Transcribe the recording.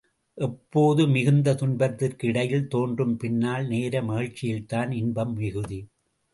எப்போதும் மிகுந்த துன்பத்திற்கு இடையில் தோன்றும் மின்னல் நேர மகிழ்ச்சியில்தான் இன்பம் மிகுதி.